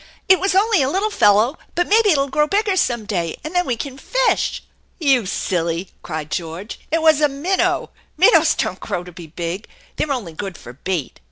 " It was only a little fellow, but maybe if 11 grow bigger some day, and then we can fish !"" You silly !" cried George. " It was a minnow. Min nows don't grow to be big. They're only good for bait!"